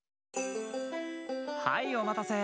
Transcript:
はいおまたせ！